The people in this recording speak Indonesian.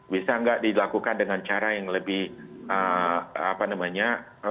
bisa nggak dilakukan dengan cara yang lebih apa namanya